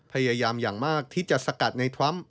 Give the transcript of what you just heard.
พยายามอย่างมากที่จะสกัดในทรัมป์